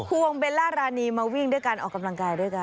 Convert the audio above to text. วงเบลล่ารานีมาวิ่งด้วยการออกกำลังกายด้วยกัน